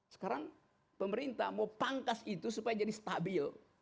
sekarang pemerintah mau pangkas itu supaya jadi stabil